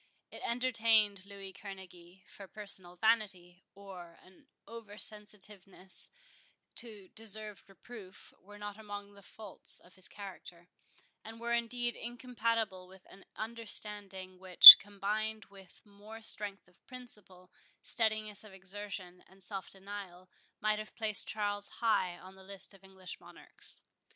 It entertained Louis Kerneguy; for personal vanity, or an over sensitiveness to deserved reproof, were not among the faults of his character, and were indeed incompatible with an understanding, which, combined with more strength of principle, steadiness of exertion, and self denial, might have placed Charles high on the list of English monarchs.